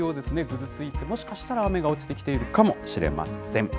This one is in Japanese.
ぐずついて、もしかしたら雨が落ちてきているかもしれません。